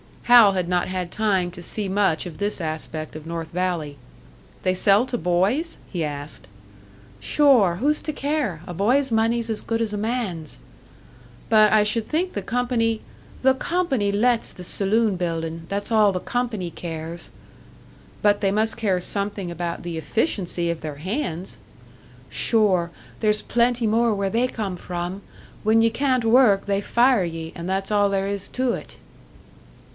Hal had not had time to see much of this aspect of North Valley. "They sell to boys?" he asked. "Sure, who's to care? A boy's money's as good as a man's." "But I should think the company " "The company lets the saloon buildin' that's all the company cares." "But they must care something about the efficiency of their hands!" "Sure, there's plenty more where they come from. When ye can't work, they fire ye, and that's all there is to it."